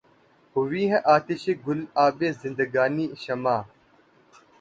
ہوئی ہے آتشِ گُل آبِ زندگانیِ شمع